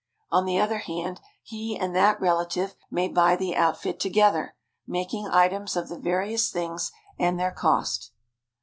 On the other hand, he and that relative may buy the outfit together, making items of the various things and their cost.